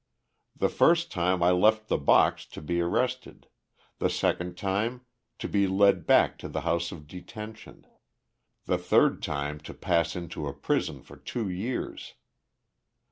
The first time I left the box to be arrested, the second time to be led back to the house of detention, the third time to pass into a prison for two years.